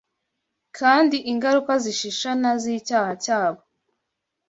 kandi ingaruka zishishana z’icyaha cyabo